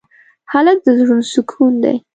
هلک د زړونو سکون دی.